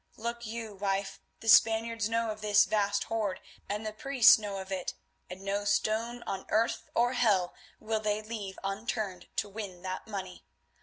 Look you, wife, the Spaniards know of this vast hoard, and the priests know of it, and no stone on earth or hell will they leave unturned to win that money.